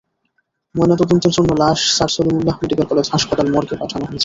ময়নাতদন্তের জন্য লাশ স্যার সলিমুল্লাহ মেডিকেল কলেজ হাসপাতাল মর্গে পাঠানো হয়েছে।